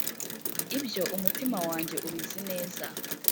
Ibyo umutima wanjye ubizi neza